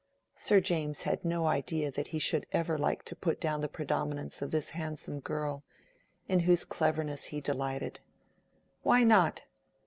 Sir James had no idea that he should ever like to put down the predominance of this handsome girl, in whose cleverness he delighted. Why not?